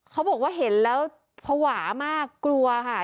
เขาบอกว่าเห็นแล้วภาวะมากกลัวค่ะ